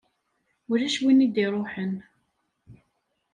Ulac win i d-iṛuḥen.